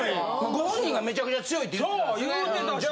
ご本人がめちゃくちゃ強いって言ってたんですね？